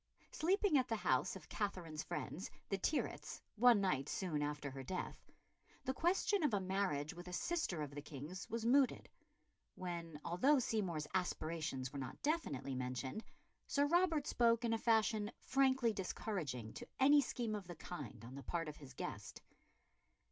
Sleeping at the house of Katherine's friends, the Tyrwhitts, one night soon after her death, the question of a marriage with a sister of the King's was mooted; when, although Seymour's aspirations were not definitely mentioned, Sir Robert spoke in a fashion frankly discouraging to any scheme of the kind on the part of his guest.